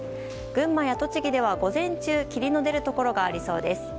群馬や栃木では午前中霧の出るところがありそうです。